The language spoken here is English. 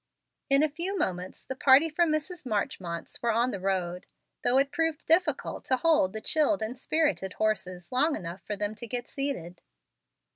In a few moments the party from Mrs. Marchmont's were on the road, though it proved difficult to hold the chilled and spirited horses long enough for them to get seated.